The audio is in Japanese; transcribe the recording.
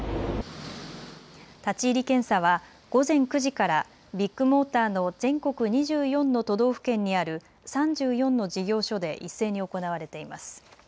立ち入り検査は午前９時からビッグモーターの全国２４の都道府県にある３４の事業所で一斉に行われています。